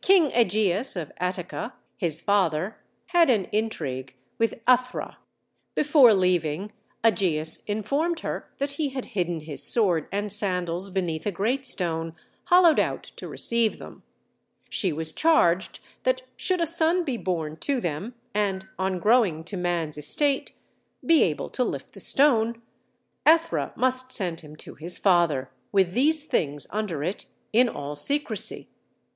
King Ægeus, of Attica, his father, had an intrigue with Æthra. Before leaving, Ægeus informed her that he had hidden his sword and sandals beneath a great stone, hollowed out to receive them. She was charged that should a son be born to them and, on growing to man's estate, be able to lift the stone, Æthra must send him to his father, with these things under it, in all secrecy.